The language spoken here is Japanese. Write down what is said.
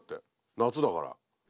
夏だから。